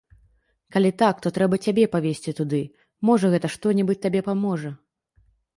Калі так, то трэба цябе павесці туды, можа, гэта што-небудзь табе паможа!